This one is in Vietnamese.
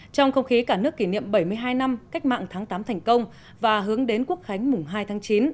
trong không khí cả nước kỷ niệm bảy mươi hai năm cách mạng tháng tám thành công và hướng đến quốc khánh mùng hai tháng chín